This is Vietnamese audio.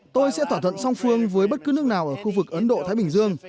tôi sẽ thỏa thuận song phương với bất cứ nước nào ở khu vực ấn độ thái bình dương